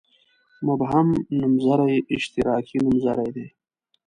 مبهم نومځري اشتراکي نومځري دي.